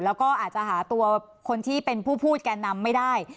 แล้วก็อาจจะหาตัวคนที่เป็นผู้พูดแก่นำไม่ได้